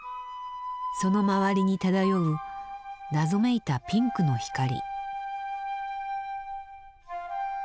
その周りに漂う謎めいたピンクの光。